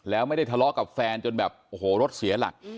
แล้วไม่ได้ทะเลาะกับแฟนจนแบบโอ้โหรถเสียหลัก